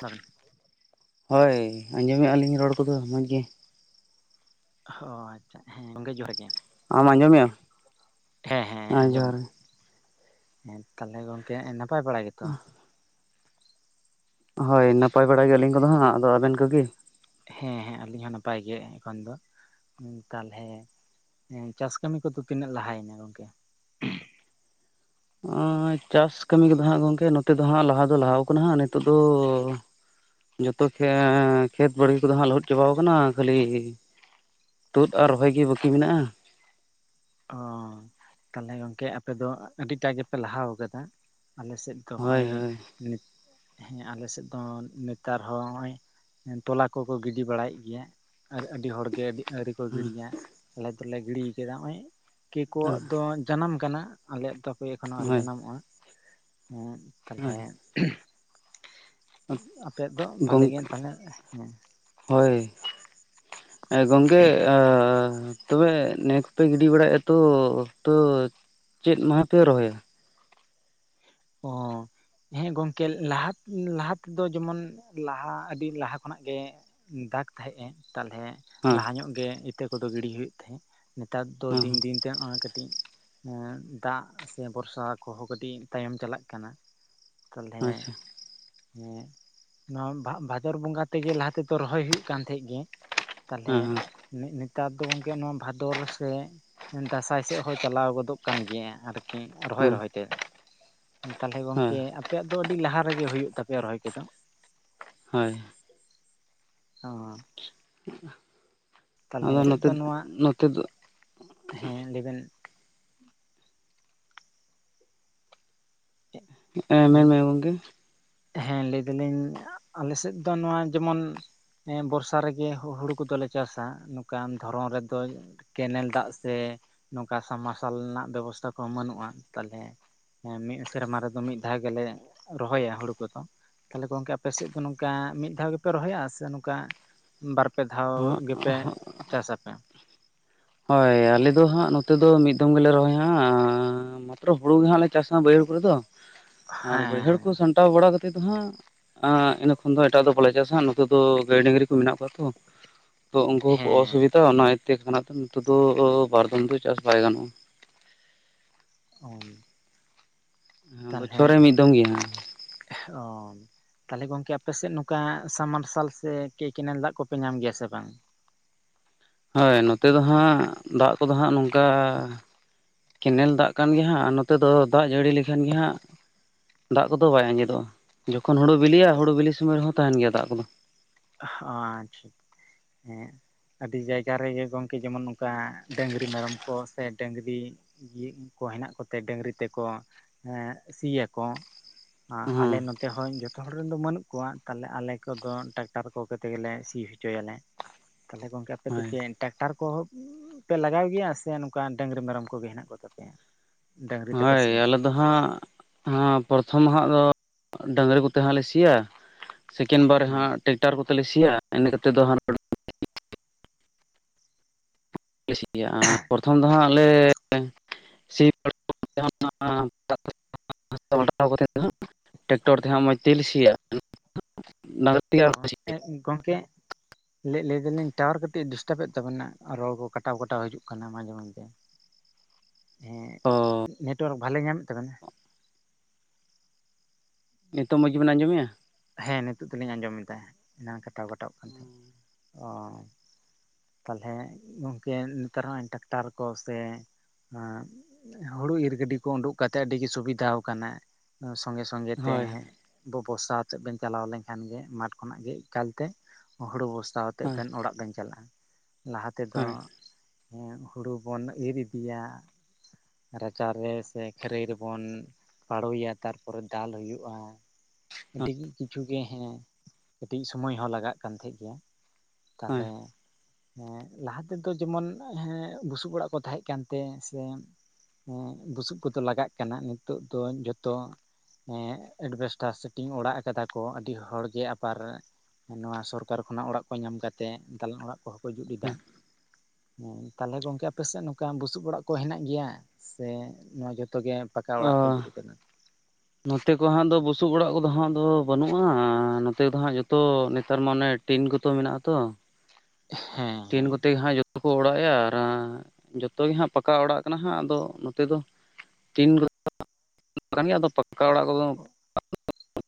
ᱞᱵᱮᱱ ᱦᱳᱭ ᱟᱸᱡᱚᱢᱮᱫᱼᱟ ᱞᱤᱧ ᱨᱚᱲ ᱠᱚᱫᱚ ᱢᱚᱡᱽ ᱜᱮ ᱚ ᱟᱪᱪᱷᱟ ᱦᱮᱸ ᱜᱚᱢᱠᱮ ᱡᱚᱦᱟᱨ ᱜᱮ ᱟᱢ ᱟᱸᱡᱚᱢ ᱢᱮᱟᱢ? ᱦᱮᱸ ᱦᱮᱸ ᱟᱸᱡᱚᱢ ᱫᱟᱹᱧ ᱦᱮᱸ ᱛᱟᱦᱚᱞᱮ ᱜᱚᱝᱠᱮ ᱱᱟᱯᱟᱭ ᱵᱟᱲᱟ ᱜᱮᱛᱚ? ᱦᱩᱸ ᱦᱳᱭ ᱱᱟᱯᱟᱭ ᱵᱟᱲᱟᱭ ᱜᱮ ᱟᱹᱞᱤᱧ ᱠᱚᱫᱚ ᱦᱟᱸᱜ ᱟᱫᱚ ᱟᱵᱮᱱ ᱠᱚᱜᱮ ᱦᱮᱸ ᱦᱮᱸ ᱟᱞᱤᱧ ᱦᱚᱸ ᱱᱟᱯᱟᱭ ᱜᱮ ᱮᱠᱷᱚᱱ ᱫᱚ ᱛᱟᱦᱞᱮ ᱦᱮᱸ ᱪᱟᱥ ᱠᱟᱹᱢᱤ ᱠᱚᱫᱚ ᱛᱤᱱᱟᱹᱜ ᱞᱟᱦᱟᱭᱮᱱᱟ ᱜᱚᱝᱠᱮ? ᱪᱟᱥ ᱠᱟᱹᱢᱤ ᱠᱚᱫᱚ ᱦᱟᱸᱜ ᱜᱚᱝᱠᱮ ᱱᱚᱛᱮ ᱫᱚ ᱦᱟᱸᱜ ᱞᱟᱦᱟ ᱫᱚ ᱞᱟᱦᱟᱣ ᱠᱟᱱᱟ ᱦᱟᱸᱜ ᱱᱤᱛᱚᱜ ᱫᱚᱻᱻ ᱡᱚᱛᱚ ᱠᱷ ᱠᱷᱮᱛ ᱵᱟᱲᱜᱮ ᱠᱚᱫᱚ ᱦᱟᱸᱜ ᱞᱚᱦᱚᱫ ᱪᱟᱵᱟᱣ ᱠᱟᱱᱟ ᱠᱷᱟᱹᱞᱤ ᱛᱩᱫ ᱟᱨ ᱨᱚᱦᱚᱭ ᱜᱮ ᱵᱟᱹᱠᱤ ᱢᱮᱱᱟᱜᱼᱟ᱾ ᱚ ᱛᱟᱦᱚᱞᱮ ᱜᱚᱝᱠᱮ ᱟᱯᱮ ᱫᱚ ᱟᱹᱰᱤᱴᱟᱜ ᱜᱮᱯᱮ ᱞᱟᱦᱟ ᱟᱠᱟᱫᱟ ᱟᱞᱮᱥᱮᱫ ᱛᱚ ᱦᱳᱭ ᱦᱚᱜᱼᱚᱭ ᱦᱳᱭ ᱦᱮᱸ ᱟᱞᱮ ᱥᱮᱫ ᱫᱚ ᱱᱮᱛᱟᱨ ᱦᱚᱸ ᱱᱚᱜᱼᱚᱭ ᱛᱚᱞᱟ ᱠᱚᱠᱚ ᱜᱤᱰᱤ ᱵᱟᱲᱟᱭᱮᱫ ᱜᱮᱭᱟ ᱟᱨ ᱟᱹᱰᱤ ᱦᱚᱲ ᱜᱮ ᱟᱹᱰᱤ ᱟᱹᱣᱨᱤ ᱠᱚ ᱜᱤᱰᱤᱭᱟ ᱟᱞᱮ ᱫᱚᱞᱮ ᱜᱤᱰᱤ ᱠᱮᱫᱟ ᱱᱚᱜᱼᱚᱭ ᱠᱮᱠᱚᱣᱟᱜ ᱫᱚ ᱡᱟᱱᱟᱢ ᱠᱟᱱᱟ ᱟᱞᱮᱭᱟᱜ ᱛᱚ ᱦᱟᱯᱮ ᱮᱠᱷᱚᱱᱚ ᱟᱹᱣᱨᱤ ᱦᱳᱭ ᱡᱟᱱᱟᱢᱚᱜᱼᱟ ᱦᱮᱸ ᱦᱳᱭ ᱛᱟᱞᱦᱮ ᱟᱯᱮᱭᱟᱜ ᱫᱚ ᱵᱷᱟᱞᱮ ᱜᱮ ᱜᱚᱝᱠᱮ ᱛᱟᱦᱚᱞᱮ ᱦᱮᱸ ᱦᱳᱭ ᱜᱚᱝᱠᱮ ᱟᱻᱻᱻ ᱛᱚᱵᱮ ᱱᱮᱥ ᱯᱮ ᱜᱤᱰᱤ ᱵᱟᱲᱟᱭᱮᱫᱟ ᱛᱚ ᱛᱚ ᱪᱮᱫ ᱢᱟᱦᱟ ᱯᱮ ᱨᱚᱦᱚᱭᱟ? ᱚ ᱦᱮᱸ ᱜᱚᱝᱠᱮ ᱞᱟᱦᱟ ᱞᱟᱦᱟ ᱛᱮᱫᱚ ᱡᱮᱢᱚᱱ ᱞᱟᱦᱟ ᱟᱹᱰᱤ ᱞᱟᱦᱟ ᱠᱷᱚᱱᱟᱜ ᱜᱮ ᱫᱟᱜ ᱛᱟᱦᱮᱸᱜ ᱮ ᱛᱟᱞᱦᱮ ᱦᱮᱸ ᱞᱟᱦᱟ ᱧᱚᱜ ᱜᱮ ᱤᱛᱟᱹ ᱠᱚᱫᱚ ᱜᱤᱰᱤ ᱦᱩᱭᱩᱜ ᱛᱟᱦᱮᱸᱫ ᱱᱮᱛᱟᱨ ᱫᱚ ᱦᱮᱸ ᱫᱤᱱ ᱫᱤᱱ ᱛᱮ ᱚᱱᱟ ᱠᱟᱹᱴᱤᱡ ᱫᱟᱜ ᱥᱮ ᱵᱚᱨᱥᱟ ᱠᱚᱦᱚᱸ ᱠᱟᱹᱴᱤᱡ ᱛᱟᱭᱚᱢ ᱪᱟᱞᱟᱜ ᱠᱟᱱᱟ ᱛᱟᱞᱦᱮ ᱟᱪᱪᱷᱟ ᱦᱮᱸ ᱱᱚᱣᱟ ᱵᱷ ᱵᱷᱟᱫᱚᱨ ᱵᱚᱸᱜᱟ ᱛᱮᱜᱮ ᱞᱟᱦᱟ ᱛᱮᱫᱚ ᱨᱚᱦᱚᱭ ᱦᱩᱭᱩᱜ ᱠᱟᱱ ᱛᱟᱦᱮᱸᱫ ᱜᱮ᱾ ᱛᱟᱦᱚᱞᱮ ᱦᱮᱸ ᱦᱮᱸ ᱱᱮᱛᱟᱨ ᱫᱚ ᱜᱚᱝᱠᱮ ᱱᱚᱣᱟ ᱵᱷᱟᱫᱚᱨ ᱥᱮ ᱫᱟᱸᱥᱟᱭ ᱥᱮᱫ ᱦᱚᱸ ᱪᱟᱞᱟᱣ ᱜᱚᱫᱚᱜ ᱠᱟᱱ ᱜᱮᱭᱟ ᱟᱨᱠᱤ᱾ ᱠᱤ ᱨᱚᱦᱚᱭ ᱦᱮᱸ ᱨᱚᱦᱚᱭᱛᱮ ᱛᱟᱦᱚᱞᱮ ᱦᱮᱸ ᱜᱚᱝᱠᱮ ᱟᱯᱮᱭᱟᱜ ᱫᱚ ᱟᱹᱰᱤ ᱞᱟᱦᱟ ᱨᱮᱜᱮ ᱦᱩᱭᱩᱜ ᱛᱟᱯᱮᱭᱟ ᱨᱚᱦᱚᱭ ᱠᱚᱫᱚ, ᱦᱳᱭ ᱦᱳ ᱟᱫᱚ ᱪᱮᱫ ᱱᱚᱛᱮ ᱫᱚ ᱱᱚᱣᱟ ᱱᱚᱛᱮ ᱫᱚ ᱦᱮᱸ ᱞᱟᱹᱭᱵᱮᱱ ᱦᱮᱸ ᱢᱮᱱᱢᱮ ᱜᱚᱝᱠᱮ ᱦᱮᱸ ᱞᱟᱹᱭ ᱫᱟᱞᱤᱧ ᱟᱞᱮᱥᱮᱫ ᱫᱚ ᱱᱚᱣᱟ ᱡᱮᱢᱚᱱ ᱦᱮᱸ ᱵᱚᱨᱥᱟ ᱨᱮᱜᱮ ᱦᱩᱲᱩ ᱠᱚᱫᱚᱞᱮ ᱪᱟᱥᱟ ᱱᱚᱝᱠᱟᱱ ᱫᱷᱚᱨᱚᱱ ᱨᱮᱫᱚ ᱠᱮᱱᱮᱞ ᱫᱟᱜ ᱥᱮ ᱱᱚᱝᱠᱟ ᱥᱟᱵᱽ ᱢᱟᱨᱥᱟᱞ ᱨᱮᱱᱟᱜ ᱵᱮᱵᱚᱥᱛᱷᱟ ᱠᱚᱦᱚᱸ ᱵᱟᱹᱱᱩᱜᱼᱟ ᱛᱟᱦᱚᱞᱮ ᱦᱮᱸ ᱢᱤᱫ ᱥᱮᱨᱢᱟ ᱨᱮᱫᱚ ᱢᱤᱫ ᱫᱷᱟᱣ ᱜᱮᱞᱮ ᱨᱚᱦᱚᱭᱟ ᱦᱩᱲᱩ ᱠᱚᱫᱚ ᱛᱟᱦᱚᱞᱮ ᱜᱚᱝᱠᱮ ᱟᱯᱮ ᱥᱮᱫ ᱫᱚ ᱱᱚᱝᱠᱟ ᱢᱤᱫ ᱫᱷᱟᱣ ᱜᱮᱯᱮ ᱨᱚᱦᱚᱭᱟ ᱥᱮ ᱱᱚᱝᱠᱟ ᱵᱟᱨᱯᱮ ᱫᱷᱟᱣ ᱜᱮᱯᱮ ᱪᱟᱥᱟᱯᱮ ᱦᱳᱭ ᱟᱞᱮ ᱫᱚ ᱦᱟᱸᱜ ᱱᱚᱛᱮ ᱫᱚ ᱢᱤᱫ ᱫᱚᱢ ᱜᱮᱞᱮ ᱨᱚᱦᱚᱭᱟ ᱦᱟᱸᱜ, ᱢᱟᱛᱨᱚ ᱦᱩᱲᱩ ᱜᱮ ᱦᱟᱸᱜ ᱪᱟᱥᱟ ᱵᱟᱹᱭᱦᱟᱹᱲ ᱠᱚᱨᱮ ᱫᱚ ᱟᱨ ᱦᱮᱸ ᱵᱟᱹᱭᱦᱟᱹᱲ ᱦᱮᱸ ᱠᱚ ᱥᱟᱢᱴᱟᱣ ᱵᱟᱲᱟ ᱠᱟᱛᱮᱫ ᱫᱚ ᱦᱟᱸᱜ ᱤᱱᱟᱹ ᱠᱷᱚᱱ ᱫᱚ ᱮᱴᱟᱜ ᱫᱚ ᱵᱟᱞᱮ ᱪᱟᱥᱟ ᱱᱚᱛᱮ ᱫᱚ ᱜᱟᱹᱭ ᱰᱟᱝᱨᱤ ᱠᱚ ᱢᱮᱱᱟᱜ ᱠᱚᱣᱟ ᱛᱚ᱾ ᱛᱚ ᱩᱱᱠᱩ ᱦᱚᱸᱠᱚ ᱦᱮᱸ ᱚᱥᱩᱵᱤᱫᱟ ᱚᱱᱟ ᱤᱭᱟᱹᱛᱮ ᱠᱟᱱᱟ ᱱᱚᱛᱮ ᱫᱚ ᱵᱟᱨᱫᱚᱢ ᱫᱚ ᱪᱟᱥ ᱵᱟᱭ ᱜᱟᱱᱚᱜᱼᱟ᱾ ᱦᱮᱸ ᱮ ᱵᱚᱪᱷᱚᱨ ᱨᱮ ᱢᱤᱫ ᱫᱚᱢ ᱜᱮ ᱦᱟᱸᱜ ᱚᱻ ᱛᱟᱦᱚᱞᱮ ᱜᱚᱝᱠᱮ ᱟᱯᱮᱥᱮᱫ ᱱᱚᱝᱠᱟ ᱥᱟᱵᱽ ᱢᱟᱨᱥᱟᱞ ᱥᱮ ᱠᱮ ᱠᱮᱱᱮᱞ ᱫᱟᱜ ᱠᱚᱯᱮ ᱧᱟᱢ ᱜᱮᱭᱟ ᱥᱮ ᱵᱟᱝ? ᱦᱳᱭ ᱱᱚᱛᱮ ᱫᱚ ᱦᱟᱸᱜ ᱫᱟᱜ ᱠᱚᱫᱚ ᱦᱟᱸᱜ ᱱᱚᱝᱠᱟ ᱠᱮᱱᱮᱞ ᱫᱟᱜ ᱠᱟᱱ ᱜᱮᱭᱟ ᱦᱟᱸᱜ, ᱟᱨ ᱱᱚᱛᱮ ᱫᱚ ᱫᱟᱜ ᱡᱟᱹᱲᱤ ᱞᱮᱠᱷᱟᱱ ᱜᱮ ᱦᱟᱸᱜ ᱫᱟᱜ ᱠᱚᱫᱚ ᱵᱟᱭ ᱟᱸᱡᱮᱫᱚᱜᱼᱟ᱾ ᱡᱚᱠᱷᱚᱱ ᱦᱩᱲᱩ ᱵᱤᱞᱤᱜᱼᱟ ᱦᱩᱲᱩ ᱵᱤᱞᱤ ᱥᱚᱢᱚᱭ ᱨᱮᱦᱚᱸ ᱛᱟᱦᱮᱱ ᱜᱮᱭᱟ ᱫᱟᱜ ᱠᱚᱫᱚ᱾ ᱦᱚᱸ ᱟᱪᱪᱷᱟ ᱦᱮᱸ ᱟᱹᱰᱤ ᱡᱟᱭᱜᱟ ᱨᱮᱜᱮ ᱜᱚᱢᱠᱮ ᱡᱮᱢᱚᱱ ᱚᱱᱠᱟ ᱰᱟᱹᱝᱨᱤ ᱢᱮᱨᱚᱢ ᱠᱚ ᱥᱮ ᱰᱟᱹᱝᱨᱤ ᱠᱚ ᱦᱮᱱᱟᱜ ᱠᱚᱛᱮ ᱰᱟᱹᱝᱨᱤ ᱛᱮᱠᱚ ᱥᱤᱭᱟᱠᱚ ᱟᱞᱮ ᱦᱮᱸ ᱱᱚᱛᱮ ᱦᱚᱸ ᱡᱚᱛᱚ ᱦᱚᱲ ᱨᱮᱱ ᱫᱚ ᱵᱟᱹᱱᱩᱜ ᱠᱚᱣᱟ ᱛᱟᱦᱚᱞᱮ ᱟᱞᱮ ᱠᱚᱫᱚ ᱴᱟ ᱴᱟᱠᱴᱟᱨ ᱠᱚ ᱠᱟᱛᱮ ᱜᱮᱞᱮ ᱥᱤ ᱦᱚᱪᱚᱭᱟᱞᱮ ᱛᱟᱦᱚᱞᱮ, ᱜᱚᱝᱠᱮ ᱟᱯᱮ ᱫᱚ ᱦᱳᱭ ᱪᱮᱫ ᱴᱨᱟᱠᱴᱟᱨ ᱠᱚ ᱯᱮ ᱞᱟᱜᱟᱣ ᱜᱮᱭᱟ ᱥᱮ ᱱᱚᱝᱠᱟ ᱰᱟᱹᱝᱨᱤ ᱢᱮᱨᱚᱢ ᱠᱚᱜᱮ ᱦᱮᱱᱟᱜ ᱠᱚᱛᱟᱯᱮᱭᱟ? ᱰᱟᱹᱝᱨᱤ ᱛᱮᱯᱮ ᱦᱳᱭ ᱥᱤᱭᱟ ᱟᱞᱮ ᱦᱟᱜ ᱦᱟᱸ ᱯᱨᱚᱛᱷᱚᱢ ᱦᱟᱜ ᱫᱚ ᱰᱟᱝᱨᱤ ᱠᱚᱛᱮ ᱦᱟᱸᱜ ᱞᱮ ᱥᱤᱭᱟ ᱥᱮᱠᱮᱱ ᱵᱟᱨ ᱦᱮᱸ ᱦᱟᱸᱜ ᱴᱮᱠᱴᱟᱨ ᱠᱚᱛᱮ ᱞᱮ ᱥᱤᱭᱟ ᱤᱱᱟᱹ ᱠᱟᱛᱮᱫ ᱫᱚ ᱦᱟᱸᱜ ᱥᱤᱭᱟ ᱯᱨᱚᱛᱷᱚᱢ ᱫᱚ ᱦᱟᱸᱜ ᱞᱮ ᱥᱤ [unintelligible] ᱠᱟᱛᱮ ᱫᱚ ᱴᱮᱠᱴᱚᱨ ᱛᱮᱦᱟᱸᱜ ᱢᱚᱡᱽ ᱛᱮᱜᱮ ᱞᱮ ᱥᱤᱭᱟ [unintelligible] ᱚ ᱜᱚᱢᱠᱮ ᱞᱟᱹᱭ ᱫᱟᱞᱤᱧ ᱴᱟᱣᱟᱨ ᱠᱟᱹᱴᱤᱡ ᱰᱤᱥᱴᱟᱵ ᱮᱫ ᱛᱟᱵᱮᱱᱟ ᱨᱚᱲ ᱠᱚ ᱠᱟᱴᱟᱣ ᱠᱟᱴᱟᱣ ᱦᱤᱡᱩᱜ ᱠᱟᱱᱟ ᱢᱟᱡᱷᱮ ᱢᱚᱡᱫᱷᱮ᱾ ᱦᱮᱸ ᱚ ᱱᱮᱴᱚᱣᱟᱨᱠ ᱵᱷᱟᱞᱮ ᱧᱟᱢᱮᱫ ᱛᱟᱵᱮᱱᱟ ᱱᱤᱛᱚᱜ ᱢᱚᱡᱽ ᱜᱮᱵᱤᱱ ᱟᱸᱡᱚᱢᱮᱭᱟ? ᱦᱮᱸ ᱱᱤᱛᱚᱜ ᱫᱚᱞᱤᱧ ᱟᱸᱡᱚᱢᱮᱫᱟ, ᱮᱱᱟᱝ ᱠᱟᱴᱟᱣ ᱠᱟᱴᱟᱣ ᱠᱟᱱ ᱛᱟᱦᱮᱸᱫ, ᱚ ᱛᱟᱦᱚᱞᱮ ᱜᱚᱝᱠᱮ ᱱᱮᱛᱟᱨ ᱦᱚᱸ ᱦᱮᱱ ᱴᱨᱟᱠᱴᱟᱨ ᱠᱚ ᱥᱮ ᱦᱩᱲᱩ ᱤᱨ ᱜᱟᱹᱰᱤ ᱠᱚ ᱩᱰᱩᱠ ᱠᱟᱛᱮᱫ ᱟᱹᱰᱤ ᱜᱮ ᱥᱩᱵᱤᱫᱷᱟ ᱟᱠᱟᱱᱟ᱾ ᱥᱚᱸᱜᱮ ᱥᱚᱸᱜᱮ ᱛᱮ ᱦᱳᱭ ᱵᱚ ᱵᱚᱨᱚᱥᱟᱛ ᱥᱮᱫ ᱵᱮᱱ ᱪᱟᱞᱟᱣ ᱞᱮᱱᱠᱷᱟᱱ ᱜᱮ ᱢᱟᱴᱷ ᱠᱷᱚᱱᱟᱜ ᱜᱮ ᱮᱠᱟᱞᱛᱮ ᱦᱩᱲᱩ ᱵᱚᱥᱛᱟᱣ ᱟᱛᱮᱫ ᱦᱳᱭ ᱵᱮᱱ ᱚᱲᱟᱜ ᱵᱮᱱ ᱪᱟᱞᱟᱜᱼᱟ ᱞᱟᱦᱟ ᱛᱮᱫᱚ ᱦᱳᱭ ᱦᱩᱲᱩ ᱵᱚᱱ ᱤᱨ ᱤᱫᱤᱭᱟ᱾ ᱨᱟᱪᱟ ᱨᱮ ᱥᱮ ᱠᱷᱟᱹᱨᱟᱹᱭ ᱨᱮᱵᱚᱱ ᱯᱟᱲᱳᱭᱟ ᱛᱟᱨᱯᱚᱨᱮ ᱫᱟᱞ ᱦᱩᱭᱩᱜᱼᱟ ᱟᱹᱰᱤ ᱠᱤᱪᱷᱩ ᱜᱮ ᱦᱮᱸ ᱠᱟᱹᱴᱤᱡ ᱥᱚᱢᱚᱭ ᱦᱚᱸ ᱞᱟᱜᱟᱜ ᱠᱟᱱ ᱛᱟᱦᱮᱸᱫ ᱜᱮ ᱦᱳᱭ ᱛᱟᱦᱚᱞᱮ ᱦᱮᱸ ᱞᱟᱦᱟ ᱛᱮᱫᱚ ᱡᱮᱢᱚᱱ ᱵᱩᱥᱩᱵ ᱚᱲᱟᱜ ᱠᱚ ᱛᱟᱦᱮᱸ ᱠᱟᱱᱛᱮ ᱥᱮ ᱵᱩᱥᱩᱵ ᱠᱚᱫᱚ ᱞᱟᱜᱟᱜ ᱠᱟᱱᱟ ᱱᱤᱛᱚᱜ ᱫᱚ ᱡᱚᱛᱚ ᱮᱰᱵᱮᱥᱴᱟᱨ ᱴᱤᱱ ᱚᱲᱟᱜ ᱟᱠᱟᱫᱟ ᱠᱚ ᱟᱹᱰᱤ ᱦᱚᱲ ᱜᱮ ᱟᱵᱟᱨ ᱱᱚᱣᱟ ᱥᱚᱨᱠᱟᱨ ᱠᱷᱚᱱᱟᱜ ᱚᱲᱟᱜ ᱠᱚ ᱧᱟᱢ ᱠᱟᱛᱮᱜ ᱫᱟᱞᱟᱱ ᱚᱲᱟᱜ ᱠᱚᱦᱚᱸ ᱠᱚ ᱡᱩᱛ ᱮᱫᱟ ᱦᱮᱸ ᱛᱟᱦᱚᱞᱮ ᱜᱚᱝᱠᱮ ᱟᱯᱮᱥᱮᱫ ᱱᱚᱝᱠᱟ ᱵᱩᱥᱩᱵ ᱚᱲᱟᱜ ᱠᱚ ᱦᱮᱱᱟᱜ ᱜᱮᱭᱟ ᱥᱮ ᱱᱚᱣᱟ ᱡᱚᱛᱚ ᱜᱮ ᱯᱟᱠᱟ ᱚ ᱚᱲᱟᱜ ᱠᱚ ᱡᱩᱛ ᱟᱠᱟᱫᱟ ᱱᱚᱛᱮ ᱠᱚ ᱦᱟᱸᱜ ᱫᱚ ᱵᱩᱥᱩᱵ ᱚᱲᱟᱜ ᱠᱚᱫᱚ ᱦᱟᱸᱜ ᱫᱚ ᱵᱟᱹᱱᱩᱜᱼᱟ ᱱᱚᱛᱮ ᱫᱚ ᱦᱟᱸᱜ ᱡᱚᱛᱚ ᱱᱮᱛᱟᱨ ᱢᱟ ᱚᱱᱮ ᱴᱤᱱ ᱠᱚᱛᱚ ᱢᱮᱱᱟᱜᱼᱟ ᱛᱚ [unintelligible] ᱦᱮᱸ ᱴᱤᱱ ᱦᱮᱸ ᱠᱚᱛᱮ ᱜᱮ ᱦᱟᱸᱜ ᱡ ᱠᱷᱳ ᱚᱲᱟᱜ ᱭᱟ ᱨᱟ ᱡᱚᱛᱚ ᱜᱮ ᱦᱟᱸᱜ ᱯᱟᱠᱟ ᱚᱲᱟᱜ ᱠᱟᱱᱟ ᱦᱟᱸᱜ ᱟᱫᱚ ᱱᱚᱛᱮ ᱫᱚ ᱛᱤᱱ ᱨᱮ ᱟᱫᱚ ᱯᱟ ᱚᱠᱟ ᱚᱲᱟᱜ ᱠᱚᱫᱚ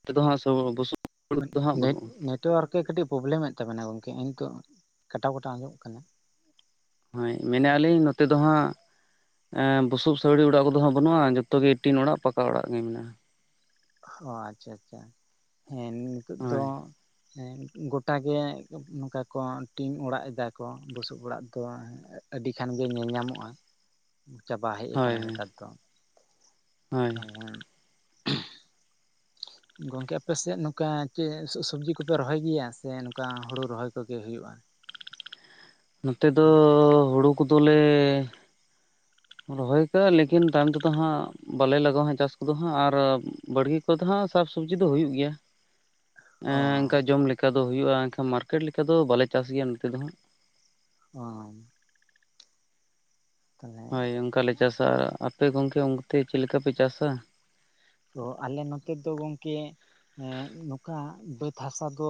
ᱛᱮᱫᱚ ᱦᱟᱸᱜ ᱵᱩᱥᱩᱵ ᱫᱚ ᱦᱟᱸᱜ ᱱᱮᱴ ᱵᱟᱹᱱᱩᱜᱼᱟ ᱱᱮᱴᱚᱣᱟᱨᱠᱮ ᱠᱟᱹᱴᱤᱡ ᱯᱨᱚᱵᱞᱮᱢ ᱮᱫ ᱛᱟᱵᱮᱱᱟ ᱜᱚᱝᱠᱮ ᱱᱤᱛᱚᱜ ᱠᱟᱴᱟᱣ ᱠᱟᱴᱟᱣ ᱟᱸᱡᱚᱢᱚᱜ ᱠᱟᱱᱟ ᱦᱳᱭ ᱢᱮᱱᱮᱫ ᱟᱞᱤᱧ ᱱᱚᱛᱮ ᱫᱚ ᱦᱟᱸᱜ ᱵᱩᱥᱩᱵ ᱥᱟᱹᱣᱲᱤ ᱚᱲᱟᱜ ᱠᱚᱫᱚ ᱦᱟᱜ ᱵᱟᱹᱱᱩᱜᱼᱟ ᱡᱚᱛᱚ ᱜᱮ ᱴᱤᱱ ᱚᱲᱟᱜ ᱯᱟᱠᱟ ᱚᱲᱟᱜ ᱜᱮ ᱢᱮᱱᱟᱜᱼᱟ ᱾ ᱚ ᱟᱪᱪᱷᱟ ᱟᱪᱪᱷᱟ ᱦᱮᱸ ᱱᱤᱛᱚᱜ ᱫᱚ ᱦᱳᱭ ᱦᱮᱸ ᱜᱚᱴᱟ ᱜᱮ ᱱᱚᱝᱠᱟ ᱠᱚ ᱴᱤᱢ ᱚᱲᱟᱜ ᱮᱫᱟᱠᱚ ᱵᱩᱥᱩᱵ ᱚᱲᱟᱜ ᱫᱚ ᱟᱹᱰᱤ ᱠᱷᱟᱱ ᱜᱮ ᱧᱮᱞ ᱧᱟᱢᱚᱜᱼᱟ ᱪᱟᱵᱟ ᱦᱮᱡ ᱦᱳᱭ ᱟᱠᱟᱱᱟ ᱦᱳᱭ ᱱᱮᱛᱟᱨ ᱫᱚ ᱦᱳᱭ ᱠᱟᱢᱚᱱ ᱜᱚᱝᱠᱮ ᱟᱯᱮᱥᱮᱫ ᱱᱚᱝᱠᱟ ᱪᱮᱫ ᱥᱚᱵᱡᱤ ᱠᱚᱯᱮ ᱨᱚᱦᱚᱭ ᱜᱮᱭᱟ ᱥᱮ ᱱᱚᱝᱠᱟ ᱦᱩᱲᱩ ᱨᱚᱦᱚᱭ ᱠᱚᱜᱮ ᱦᱩᱭᱩᱜᱼᱟ? ᱱᱚᱛᱮ ᱫᱚ ᱦᱩᱲᱩ ᱠᱚᱫᱚᱞᱮ ᱨᱚᱦᱚᱭ ᱠᱟᱜᱼᱟ ᱞᱮᱠᱤᱱ ᱛᱟᱭᱚᱢ ᱛᱮᱫᱚ ᱦᱟᱸᱜ ᱵᱟᱞᱮ ᱞᱟᱜᱟᱣᱟ ᱦᱜ ᱪᱟᱥ ᱠᱚᱫᱚ ᱦᱟᱸᱜ ᱟᱨ ᱵᱟᱟᱹᱲᱜᱮ ᱱᱤᱛᱚᱜ ᱦᱚᱸ ᱥᱟᱵ ᱥᱚᱵᱽᱡᱤ ᱫᱚ ᱦᱦᱸ ᱦᱩᱭᱩᱜ ᱜᱮᱭᱟ ᱾ ᱚ ᱚᱱᱠᱟ ᱡᱚᱢ ᱞᱮᱠᱟ ᱫᱚ ᱦᱩᱭᱩᱜᱼᱟ ᱮᱱᱠᱷᱟᱱ ᱢᱟᱨᱠᱮᱴ ᱞᱮᱠᱟ ᱫᱚ ᱵᱟᱞᱮ ᱪᱟᱥ ᱜᱮᱭᱟ ᱱᱚᱛᱮ ᱫᱚ ᱦᱟᱸᱜ ᱾ ᱚᱦ ᱦᱳᱭ ᱚᱱᱠᱟᱞᱮ ᱪᱟᱥᱟ ᱟᱯᱮ ᱜᱚᱝᱠᱮ ᱚᱱᱛᱮ ᱪᱮᱫ ᱞᱮᱠᱟ ᱯᱮ ᱪᱟᱥᱟ? ᱛᱚ ᱟᱞᱮ ᱱᱚᱛᱮ ᱫᱚ ᱜᱚᱝᱠᱮ ᱦᱮᱸ ᱱᱚᱝᱠᱟ ᱵᱟᱹᱫᱽ ᱦᱟᱥᱟ ᱫᱚ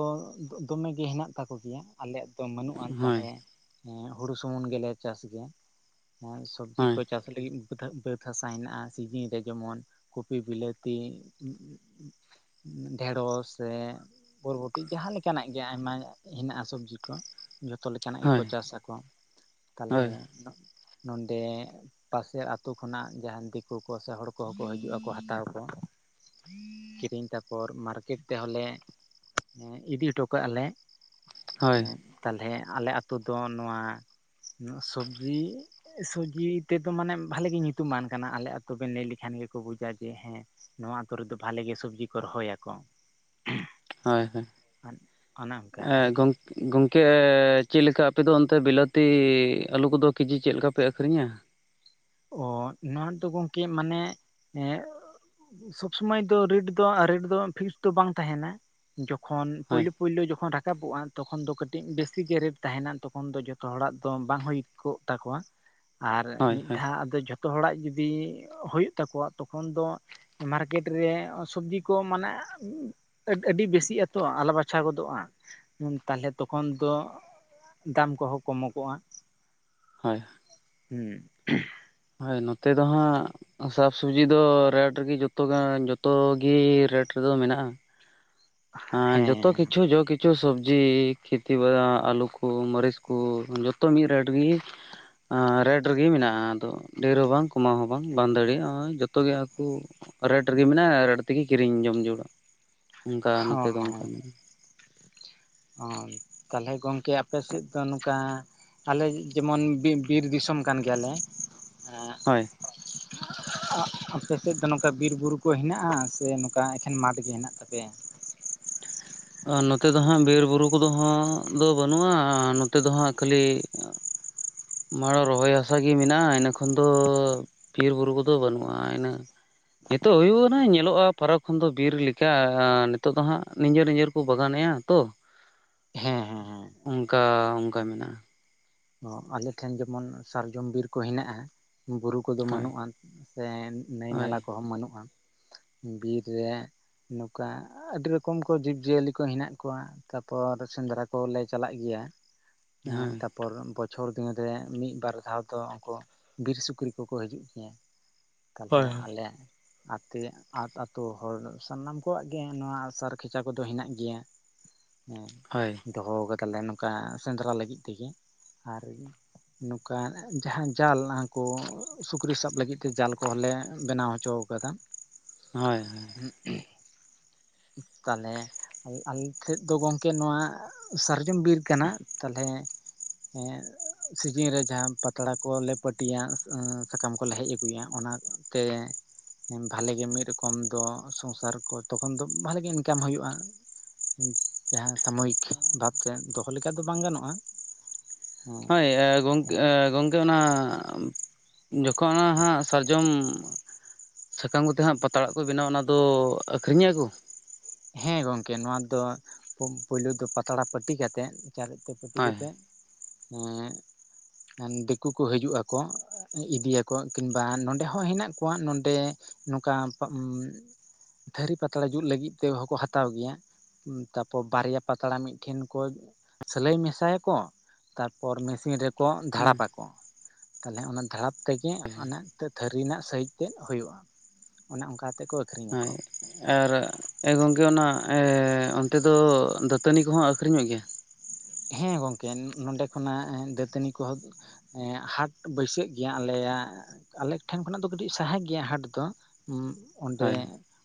ᱫᱚᱢᱮ ᱜᱮ ᱦᱮᱱᱟᱜ ᱛᱟᱠᱚ ᱜᱮᱭᱟ ᱟᱞᱮᱭᱟᱜ ᱵᱟᱹᱱᱩᱜᱼᱟ ᱦᱳᱭ ᱛᱟᱦᱚᱞᱮ ᱦᱩᱲᱩ ᱥᱩᱢᱩᱝ ᱜᱮᱞᱮ ᱪᱟᱥ ᱜᱮᱭᱟ ᱥᱚᱵᱡᱤ ᱠᱚ ᱦᱳᱭ ᱪᱟᱥ ᱞᱟᱹᱜᱤᱫ ᱵᱟᱹᱫᱽ ᱦᱟᱥᱟ ᱦᱮᱱᱟᱜᱼᱟ ᱥᱤᱡᱤᱱ ᱨᱮ ᱡᱮᱢᱚᱱ ᱠᱚᱵᱤ ᱵᱤᱞᱟᱹᱛᱤ ᱡᱛᱤ ᱰᱷᱮᱲᱚᱥ ᱥᱮ ᱵᱚᱨᱵᱚᱴᱤ ᱡᱟᱦᱟᱸ ᱞᱮᱠᱟᱱᱟᱜ ᱜᱮ ᱟᱭᱢᱟ ᱦᱮᱱᱟᱜᱼᱟ ᱥᱚᱵᱽᱡᱤ ᱠᱚ ᱡᱚᱛᱚ ᱞᱮᱠᱟᱱᱟᱜ ᱜᱮᱠᱚ ᱦᱳᱭ ᱪᱟᱥ ᱟᱠᱚ ᱛᱟᱦᱚᱞᱮ ᱦᱳᱭ ᱱᱚᱰᱮ ᱯᱟᱥᱮ ᱟᱛᱳ ᱠᱷᱚᱱᱟᱜ ᱡᱟᱦᱟᱱ ᱫᱤᱠᱩ ᱠᱚ ᱥᱮ ᱦᱚᱲ ᱠᱚᱦᱚᱸ ᱠᱚ ᱦᱤᱡᱩᱜᱼᱟᱠᱚ ᱦᱟᱛᱟᱣ ᱠᱤᱨᱤᱧ ᱛᱟᱯᱚᱨ ᱢᱟᱨᱠᱮᱴ ᱛᱮᱦᱚᱸᱞᱮ ᱤᱫᱤ ᱦᱚᱴᱚ ᱠᱟᱜᱼᱟᱞᱮ ᱦᱳᱭ ᱛᱟᱦᱚᱞᱮ ᱟᱞᱮ ᱟᱹᱛᱩ ᱫᱚ ᱱᱚᱣᱟ ᱱᱚᱣᱟ ᱥᱚᱵᱡᱤ ᱥᱚᱵᱡᱤ ᱛᱮᱫᱚ ᱢᱟᱱᱮ ᱵᱷᱟᱞᱮᱜ ᱜᱮ ᱧᱩᱛᱩᱢᱟᱱ ᱠᱟᱱᱟ ᱟᱞᱮ ᱟᱛᱩᱵᱤᱱ ᱞᱟᱹᱭ ᱞᱮᱠᱷᱟᱱ ᱜᱮᱠᱚ ᱵᱩᱡᱟ ᱡᱮ ᱦᱮᱸ ᱱᱚᱣᱟ ᱟᱛᱳ ᱨᱮᱫᱚ ᱵᱷᱟᱞᱮ ᱜᱮ ᱥᱚᱵᱡᱤ ᱠᱚ ᱨᱚᱦᱚᱭᱟᱠᱚ ᱾ ᱦᱳᱭ ᱚᱱᱮ ᱚᱱᱠᱟ ᱦᱳᱭ ᱟᱨᱠᱤ ᱜᱚᱝ ᱜᱚᱝᱠᱮ ᱪᱮ ᱞᱮᱠᱟ ᱟᱯᱮᱫᱚ ᱚᱱᱛᱮ ᱵᱤᱞᱟᱹᱛᱤ ᱟᱞᱩ ᱠᱚᱫᱚ ᱠᱮᱡᱤ ᱪᱮᱫ ᱞᱮᱠᱟ ᱯᱮ ᱟᱹᱠᱷᱨᱤᱧᱟ? ᱚ ᱱᱚᱣᱟ ᱫᱚ ᱜᱚᱢᱠᱮ ᱢᱟᱱᱮ ᱮ ᱥᱚᱵ ᱥᱚᱢᱚᱭ ᱫᱚ ᱨᱮ. ᱴ ᱫᱚ ᱨᱮᱹᱴ ᱫᱚ ᱯᱷᱤᱠᱥ ᱫᱚ ᱵᱟᱝ ᱛᱟᱦᱮᱱᱟ ᱡᱚᱠᱷᱚᱱ ᱦᱳᱭ ᱯᱩᱭᱞᱩ ᱯᱩᱭᱭᱞᱳ ᱡᱚᱠᱷᱚᱱ ᱨᱟᱠᱟᱵᱚᱜᱼᱟ ᱯᱩᱭᱞᱩ ᱛᱚᱠᱷᱚᱱ ᱫᱚ ᱠᱟᱹᱴᱤᱡ ᱵᱮᱥᱤᱜ ᱜᱮ ᱨᱮ. ᱴ ᱛᱟᱦᱮᱱᱟ ᱛᱚᱠᱷᱚᱱ ᱫᱚ ᱡᱚᱛᱚ ᱦᱚᱲᱟᱜ ᱫᱚ ᱵᱟᱝ ᱦᱩᱭ ᱠᱚᱜ ᱛᱟᱠᱚᱣᱟ ᱟᱨ ᱦᱳᱭ ᱢᱤᱫ ᱦᱳᱭ ᱫᱷᱟᱣ ᱟᱫᱚ ᱡᱚᱛᱚ ᱦᱚᱲᱟᱜ ᱡᱩᱫᱤ ᱦᱩᱭᱩᱜ ᱛᱟᱠᱚᱣᱟ ᱛᱚᱠᱷᱚᱱ ᱫᱚ ᱢᱟᱨᱠᱮᱴ ᱨᱮ ᱥᱚᱵᱡᱤ ᱠᱚ ᱢᱟᱱᱮ ᱟᱹᱰᱤ ᱵᱮᱥᱤᱜ ᱟᱛᱚ ᱟᱞᱟ ᱵᱟᱪᱷᱟᱣ ᱜᱚᱫᱚᱜᱼᱟ ᱛᱟᱦᱞᱮ ᱛᱚᱠᱷᱚᱱ ᱫᱚ ᱫᱟᱢ ᱠᱚᱦᱚᱸ ᱠᱚᱢᱚᱜᱚᱜᱼᱟ ᱦᱳᱭ ᱦᱮᱸ ᱦᱳᱭ ᱱᱚᱛᱮ ᱫᱚ ᱦᱟᱸᱜ ᱥᱟᱠ ᱥᱚᱵᱡᱤ ᱫᱚ ᱨᱮᱴ ᱨᱮᱜᱮ ᱡᱚᱛᱚ ᱡᱚᱛᱚ ᱜᱤ ᱨᱮᱴ ᱨᱮᱫᱚ ᱢᱮᱱᱟᱜᱼᱟ ᱦᱮ ᱡᱚᱛᱚ ᱦᱮᱸ ᱠᱤᱪᱩ ᱡᱚ ᱠᱤᱪᱷᱩ ᱡᱚᱛᱚ ᱥᱚᱵᱡᱤ ᱠᱷᱮᱛᱤ ᱵᱟ ᱟᱹᱞᱩ ᱠᱚ ᱢᱟᱹᱨᱤᱪ ᱠᱚ ᱡᱚᱛᱚ ᱢᱤᱫ ᱨᱮᱴ ᱜᱮ ᱨᱮᱴ ᱨᱮᱜᱮ ᱢᱮᱱᱟᱜᱼᱟ ᱟᱫᱚ ᱰᱷᱮᱨ ᱦᱚᱸ ᱵᱟᱝ ᱠᱚᱢᱟᱣ ᱦᱚᱸ ᱵᱟᱝ ᱵᱟᱝ ᱫᱟᱲᱮᱭᱟᱜᱼᱟᱜ ᱡᱚᱛᱚ ᱜᱮ ᱟᱠᱚ ᱨᱮᱴ ᱨᱮᱜᱮ ᱢᱮᱱᱟᱜᱼᱟ ᱨᱮᱹᱴ ᱛᱮᱜᱮ ᱠᱤᱨᱤᱧ ᱡᱚᱢ ᱡᱟ. ᱨᱩᱲᱟ ᱚᱱᱠᱟ ᱱᱚᱛᱮ ᱫᱚ ᱚᱱᱠᱟ ᱢᱮᱱᱟᱜᱼᱟ ᱚ ᱛᱟᱦᱚᱞᱮ ᱜᱚᱢᱠᱮ ᱟᱯᱮ ᱥᱮᱫ ᱫᱚ ᱱᱚᱝᱠᱟ ᱟᱞᱮ ᱡᱮᱢᱚᱱ ᱵᱤᱨ ᱵᱤᱨ ᱫᱤᱥᱚᱢ ᱠᱟᱱ ᱜᱮᱭᱟᱞᱮ ᱦᱳᱭ [inaudible] ᱟᱯᱮ ᱥᱮᱫ ᱫᱚ ᱱᱚᱝᱠᱟ ᱵᱤᱨᱵᱩᱨᱩ ᱠᱚ ᱦᱮᱱᱟᱜᱼᱟ ᱥᱮ ᱱᱚᱝᱠᱟ ᱮᱠᱷᱮᱱ ᱢᱟᱴᱷ ᱜᱮ ᱦᱮᱱᱟᱜ ᱛᱟᱯᱮᱭᱟ ᱟᱨ ᱱᱚᱛᱮ ᱫᱚ ᱦᱟᱸᱜ ᱵᱤᱨ ᱵᱩᱨᱩ ᱠᱚᱫᱚ ᱦᱟᱸ ᱫᱚ ᱵᱟᱹᱱᱩᱜᱼᱟ ᱱᱚᱛᱮ ᱫᱚ ᱦᱟᱸᱜ ᱠᱷᱟᱹᱞᱤ ᱢᱟᱲᱟᱜ ᱨᱚᱦᱚᱭ ᱦᱟᱥᱟᱜᱮ ᱢᱮᱱᱟᱜᱼᱟ ᱤᱱᱟᱹᱠᱷᱟᱱ ᱫᱚ ᱵᱤᱨ ᱵᱩᱨᱩ ᱠᱚᱫᱚ ᱵᱟᱹᱱᱩᱜᱼᱟ ᱤᱱᱟᱹ ᱱᱤᱛᱚᱜ ᱦᱩᱭᱩᱜᱼᱟ ᱱᱟ ᱧᱮᱞᱚᱜᱼᱟ ᱯᱷᱟᱨᱟᱠ ᱠᱷᱚᱱ ᱫᱚ ᱵᱤᱨ ᱞᱮᱠᱟ ᱱᱤᱛᱚᱜ ᱫᱚ ᱦᱟᱸᱟᱜ ᱱᱤᱡᱮᱨ ᱱᱤᱡᱮᱨ ᱠᱚ ᱵᱟᱜᱟᱱ ᱮᱼᱟ ᱛᱚ [inaudible] ᱦᱮᱸ ᱦᱮᱸ ᱦᱮᱸ ᱚᱱᱠᱟ ᱚᱱᱠᱟ ᱢᱮᱱᱟᱜᱼᱟ ᱟᱞᱮᱴᱷᱮᱱ ᱡᱮᱢᱚᱱ ᱥᱟᱨᱡᱚᱢ ᱵᱤᱨ ᱠᱚ ᱦᱮᱱᱟᱜᱼᱟ ᱵᱩᱨᱩ ᱩᱱᱠᱩ ᱫᱚ ᱦᱳᱭ ᱵᱟᱹᱱᱩᱜᱼᱟ ᱥᱮ ᱱᱟᱹᱭ ᱦᱳᱭ ᱱᱟᱞᱟ ᱠᱚᱦᱚᱸ ᱵᱟᱹᱱᱩᱜᱼᱟ ᱵᱤᱨ ᱨᱮ ᱱᱚᱝᱠᱟ ᱟᱹᱰᱤ ᱨᱚᱠᱚᱢ ᱠᱚ ᱡᱤᱵᱽ-ᱡᱤᱭᱟᱹᱞᱤ ᱠᱚ ᱦᱮᱱᱟᱜ ᱠᱚᱣᱟ! ᱛᱟᱯᱚᱨ ᱥᱮᱸᱫᱽᱨᱟ ᱠᱚᱞᱮ ᱪᱟᱞᱟᱜ ᱜᱮᱭᱟ, ᱦᱳᱭ ᱛᱟᱯᱚᱨ! ᱪᱷᱚᱨ ᱫᱤᱱ ᱨᱮ ᱢᱤᱫ- ᱵᱟᱨ ᱫᱷᱟᱣ ᱫᱚ ᱩᱱᱠᱩ ᱵᱤᱨ ᱥᱩᱠᱨᱤ ᱠᱚᱠᱚ ᱦᱤᱡᱩᱜ ᱜᱮᱭᱟ᱾ ᱛᱟᱦᱚᱞᱮ ᱟᱞᱮ ᱟᱛᱮ ᱟᱹᱛᱩ ᱦᱚᱲ ᱥᱟᱱᱟᱢ ᱠᱚᱣᱟᱜ ᱜᱮ, ᱱᱚᱣᱟ ᱥᱟᱨ ᱠᱷᱮᱪᱟ ᱠᱚᱫᱚ ᱦᱮᱱᱟᱜ ᱜᱮᱭᱟ᱾ ᱦᱮᱸ ᱦᱳᱭ ᱫᱚᱦᱚ ᱠᱟᱫᱟᱞᱮ ᱱᱚᱝᱠᱟ ᱥᱮᱸᱫᱽᱨᱟ ᱞᱟᱹᱜᱤᱫ ᱛᱮᱜᱮ᱾ ᱟᱨ ᱱᱚᱝᱠᱟ ᱡᱟᱦᱟᱸ ᱡᱟᱞ ᱦᱚᱠᱚ ᱥᱩᱠᱨᱤ ᱥᱟᱵ ᱞᱟᱹᱜᱤᱫ ᱛᱮ ᱡᱟᱞ ᱠᱚᱦᱚᱸ ᱞᱮ ᱵᱮᱱᱟᱣ ᱦᱚᱪᱚ ᱦᱚᱪᱚ ᱠᱟᱫᱟ᱾ ᱦᱳᱭ ᱦᱳᱭ ᱛᱟᱦᱚᱞᱮ ᱟᱞᱮ ᱴᱷᱮᱡ ᱫᱚ ᱜᱚᱝᱠᱮ ᱱᱚᱣᱟ ᱥᱟᱨᱡᱚᱢ ᱵᱤᱨ ᱠᱟᱱᱟ, ᱛᱟᱦᱚᱞᱮ ᱦᱮᱸ ᱥᱤᱡᱤᱱ ᱨᱮ ᱡᱟᱦᱟᱸ ᱯᱟᱛᱲᱟ ᱠᱚᱞᱮ ᱯᱟᱹᱴᱤᱭᱟ ᱥᱟᱠᱟᱢ ᱠᱚᱞᱮ ᱦᱮᱡ ᱟᱹᱜᱩᱭᱟ᱾ ᱚᱱᱟ ᱛᱮ ᱵᱷᱟᱞᱮᱜ ᱜᱮ ᱢᱤᱫ ᱨᱚᱠᱚᱢ ᱫᱚ ᱥᱚᱝᱥᱟᱨ ᱠᱚ ᱛᱚᱠᱷᱚᱱ ᱫᱚ ᱵᱟᱜᱮ ᱤᱱᱠᱟᱢ ᱦᱩᱭᱩᱜᱼᱟ᱾ ᱡᱟᱦᱟᱸ ᱥᱟᱢᱚᱭᱤᱠ ᱵᱷᱟᱵᱛᱮ ᱫᱚᱦᱚ ᱞᱮᱠᱟ ᱫᱚ ᱵᱟᱝ ᱜᱟᱱᱚᱜᱼᱟ᱾ ᱦᱮᱸ ᱦᱚᱭ ᱦᱮᱸ ᱜᱚᱢᱠᱮ ᱚᱱᱟ ᱡᱚᱠᱷᱚᱱ ᱦᱟᱸᱜ ᱥᱟᱨᱡᱚᱢ ᱥᱟᱠᱟᱢ ᱠᱚᱛᱮ ᱦᱟᱸᱜ ᱯᱟᱛᱲᱟᱜ ᱠᱚ ᱵᱮᱱᱟᱣᱟ ᱚᱱᱟ ᱫᱚ ᱟᱹᱠᱷᱨᱤᱧᱮᱜᱟ ᱠᱚ? ᱦᱮᱸ ᱜᱚᱝᱠᱮ ᱱᱚᱣᱟ ᱫᱚ ᱯᱳᱭᱞᱳ ᱫᱚ ᱯᱟᱛᱲᱟ ᱯᱟᱹᱴᱤ ᱠᱟᱛᱮᱫ ᱪᱟᱨᱮᱪ ᱛᱮ ᱯᱟᱹᱴᱤ ᱦᱳᱭ ᱠᱟᱛᱮᱜ ᱮ ᱫᱤᱠᱩ ᱠᱚ ᱦᱤᱡᱩᱜ ᱟᱠᱚ ᱤᱫᱤᱭᱟ ᱠᱚ᱾ ᱠᱤᱝᱵᱟ ᱱᱚᱰᱮ ᱦᱚᱸ ᱦᱮᱱᱟᱜ ᱠᱚᱣᱟ ᱱᱚᱰᱮ ᱱᱚᱝᱠᱟ ᱛᱷᱟᱹᱨᱤ ᱯᱟᱛᱲᱟ ᱡᱩᱛ ᱞᱟᱹᱜᱤᱫ ᱛᱮ ᱦᱚᱸᱠᱚ ᱦᱟᱛᱟᱣ ᱜᱮᱭᱟ᱾ ᱛᱟᱯᱚᱨ ᱵᱟᱨᱭᱟ ᱯᱟᱛᱲᱟ ᱢᱤᱫᱴᱷᱮᱱ ᱠᱚ ᱥᱤᱞᱟᱹᱭ ᱢᱮᱥᱟᱭᱟᱠᱚ ᱛᱟᱨᱯᱚᱨ ᱢᱮᱥᱤᱱ ᱨᱮ ᱠᱚ ᱦᱮᱸ ᱫᱷᱟᱲᱟᱯ ᱟᱠᱚ ᱛᱟᱦᱚᱞᱮ᱾ ᱚᱱᱟ ᱫᱷᱟᱲᱟᱯ ᱛᱮᱜᱮ ᱮ ᱱᱮ ᱛᱷᱟᱹᱨᱤ ᱨᱮᱱᱟᱜ ᱥᱟᱹᱭᱦᱤᱡ ᱛᱮᱫ ᱦᱩᱭᱩᱜᱼᱟ᱾ ᱚᱱᱮ ᱚᱱᱠᱟ ᱛᱮᱠᱚ ᱦᱳᱭ ᱟᱨ ᱜᱚᱝᱠᱮ ᱚᱱᱟ ᱚᱱᱛᱮ ᱫᱚ ᱫᱟᱹᱛᱟᱹᱱᱤ ᱠᱚᱦᱚᱸ ᱟᱹᱠᱷᱨᱤᱧᱚᱜ ᱜᱮᱭᱟ? ᱦᱮᱸ ᱜᱚᱢᱠᱮ ᱱᱚᱰᱮ ᱠᱷᱚᱱᱟᱜ ᱫᱟᱹᱛᱟᱹᱱᱤ ᱠᱚᱦᱚᱸ ᱦᱟᱴ ᱵᱟᱹᱭᱥᱟᱹᱜ ᱜᱮᱭᱟ ᱟᱞᱮᱭᱟᱜ ᱟᱞᱮ ᱴᱷᱮᱱ ᱠᱷᱚᱱᱟᱜ ᱫᱚ ᱠᱟᱹᱴᱤᱡ ᱥᱟᱦᱟ ᱜᱮᱭᱟ, ᱦᱟᱴ ᱫᱚ ᱚᱸᱰᱮ ᱦᱳᱭ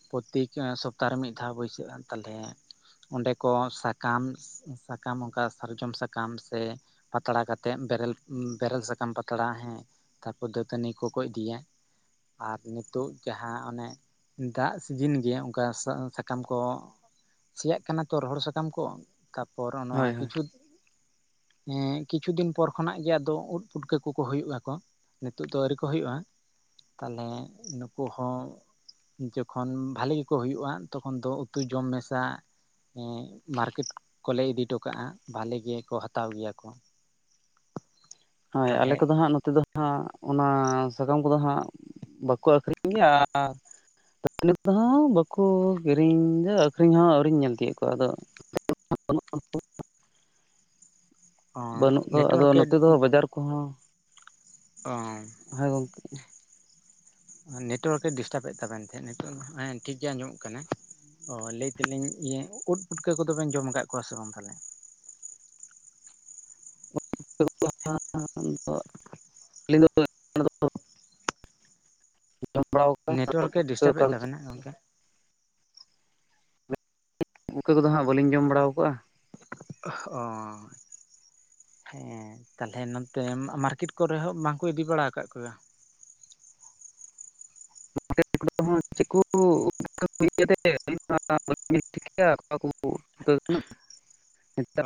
ᱯᱨᱚᱛᱛᱮᱠ ᱥᱚᱯᱛᱟᱦ ᱨᱮ ᱢᱤᱫ ᱫᱷᱟᱣ ᱵᱟᱹᱭᱥᱟᱹᱜᱼᱟ ᱛᱟᱦᱚᱞᱮ ᱚᱸᱰᱮ ᱠᱚ ᱥᱟᱠᱟᱢ ᱥᱟᱠᱟᱢ ᱚᱱᱠᱟ ᱥᱟᱨᱡᱚᱢ ᱥᱟᱠᱟᱢ ᱥᱮ ᱯᱟᱛᱲᱟ ᱠᱟᱛᱮᱜ ᱵᱮᱨᱮᱞ ᱵᱮᱨᱮᱞ ᱥᱟᱠᱟᱢ ᱯᱟᱛᱲᱟ ᱦᱮᱸ ᱛᱟᱨᱯᱚᱨ ᱫᱟᱹᱛᱟᱹᱱᱤ ᱠᱚᱠᱚ ᱤᱫᱤᱭᱟ ᱟᱨ ᱱᱤᱛᱚᱜ ᱡᱟᱦᱟᱸ ᱚᱱᱮ ᱫᱟᱜ ᱥᱤᱡᱤᱱ ᱜᱮ ᱚᱱᱠᱟ ᱥᱟᱠᱟᱢ ᱠᱚ᱾ ᱥᱮᱭᱟᱜ ᱠᱟᱱᱟ ᱛᱚ, ᱨᱚᱦᱚᱲ ᱥᱟᱠᱟᱢ ᱠᱚ᱾ ᱛᱟᱨᱯᱚᱨ ᱱᱚᱣᱟ ᱦᱳᱭ ᱦᱳᱭ ᱠᱤᱪᱷᱩ ᱦᱮᱸ ᱠᱤᱪᱷᱩ ᱫᱤᱱ ᱯᱚᱨ ᱠᱷᱚᱱᱟᱜ ᱜᱮ ᱟᱫᱚ ᱩᱫ ᱯᱩᱴᱠᱟᱹ ᱠᱚᱠᱚ ᱦᱩᱭᱩᱜᱼᱟ ᱠᱚ᱾ ᱱᱤᱛᱚᱜ ᱫᱚ ᱟᱹᱣᱨᱤ ᱠᱚ ᱦᱩᱭᱩᱜᱼᱟ, ᱛᱟᱦᱞᱮ ᱱᱩᱠᱩ ᱦᱚᱸ ᱡᱚᱠᱷᱚᱱ ᱵᱷᱟᱞᱮ ᱜᱮᱠᱚ ᱦᱩᱭᱩᱜᱼᱟ ᱛᱚᱠᱷᱚᱱ ᱫᱚ ᱩᱛᱩ ᱡᱚᱢ ᱢᱮᱥᱟ ᱢᱟᱨᱠᱮᱴ ᱠᱚᱞᱮ ᱤᱫᱤ ᱦᱚᱴᱚ ᱠᱟᱜᱼᱟ, ᱵᱷᱟᱞᱮ ᱜᱮᱠᱚ ᱦᱟᱛᱟᱣ ᱜᱮᱭᱟ ᱠᱚ᱾ ᱦᱳᱭ ᱟᱞᱮ ᱛᱟᱦᱚᱞᱮ ᱠᱚᱫᱚ ᱦᱟᱸᱜ ᱱᱚᱛᱮ ᱫᱚ ᱦᱟᱸᱜ ᱚᱱᱟ ᱥᱟᱠᱟᱢ ᱠᱚᱫᱚ ᱦᱟᱸᱜ ᱵᱟᱠᱚ ᱟᱹᱠᱷᱨᱤᱧ ᱜᱮᱭᱟ ᱟᱨ ᱫᱟᱹᱛᱟᱹᱱᱤ ᱦᱚᱸ ᱵᱟᱠᱚ ᱠᱤᱨᱤᱧᱟ ᱟᱹᱠᱷᱨᱤᱧ ᱦᱚᱸ ᱟᱹᱣᱨᱤᱧ ᱧᱮᱞ ᱛᱮᱭᱳᱜ ᱠᱚᱣᱟ ᱟᱫᱚ [unintelligible] [inaudible] ᱚᱸ ᱵᱟᱹᱱᱩᱜ ᱫᱚ ᱟᱫᱚ ᱱᱮᱴᱳᱣᱟᱨᱠᱮ ᱱᱚᱛᱮ ᱫᱚ ᱵᱟᱡᱟᱨ ᱠᱚᱦᱚᱸ ᱚ ᱦᱚᱭ ᱜᱚᱝᱠᱮ ᱱᱮᱴᱣᱟᱨᱠ ᱮ ᱰᱤᱥᱴᱟᱵ ᱮᱫ ᱛᱟᱵᱮᱱ ᱛᱟᱦᱮᱸᱫ ᱱᱤᱛᱚ ᱦᱮᱸ ᱴᱷᱤᱠ ᱜᱮ ᱟᱸᱡᱚᱢᱚᱜ ᱠᱟᱱᱟ ᱚ ᱞᱟᱹᱭ ᱛᱮᱞᱤᱧ ᱤᱭᱟᱹ ᱩᱫ ᱯᱩᱴᱠᱟᱹ ᱠᱚᱫᱚᱵᱮᱱ ᱡᱚᱢ ᱟᱠᱟᱫ ᱠᱚᱣᱟ ᱥᱮ ᱵᱟᱝ ᱛᱟᱦᱚᱞᱮ? [inaudible] ᱟᱸᱞᱤᱧ ᱫᱚ [inaudible] ᱚᱱᱟ ᱫᱚ ᱱᱮᱴᱳᱣᱟᱨᱠᱮ ᱰᱤᱥᱴᱟᱵ ᱮᱫ [unintelligible] ᱛᱟᱵᱮᱱᱟ ᱜᱚᱝᱠᱮ ᱯᱩᱴᱠᱟᱹ ᱠᱚᱫᱚ ᱦᱟᱸᱜ ᱵᱟᱹᱞᱤᱧ ᱡᱚᱢ ᱵᱟᱲᱟ ᱟᱠᱟᱜᱼᱟ᱾ ᱚ ᱦᱮᱸ ᱛᱟᱦᱞᱮ ᱱᱚᱛᱮ ᱢᱟᱨᱠᱮᱴ ᱠᱚᱨᱮ ᱦᱚᱸ ᱵᱟᱝᱠᱚ ᱤᱫᱤ ᱵᱟᱲᱟ ᱟᱠᱟᱫ ᱠᱚᱣᱟ [inaudible] ᱪᱮᱫ ᱠᱚ [inaudible] [unintelligible]